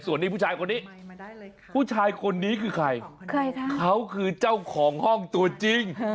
ส่วนนี้ผู้ชายคนนี้คือใครคะเขาคือเจ้าของห้องตัวจริง